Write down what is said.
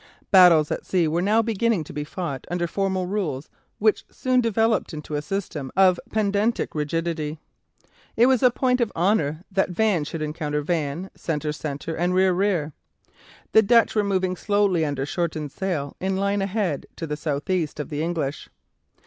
Battles at sea were now beginning to be fought under formal rules which soon developed into a system of pedantic rigidity. It was a point of honour that van should encounter van; centre, centre; and rear, rear. The Dutch were moving slowly under shortened sail in line ahead to the south east of the English.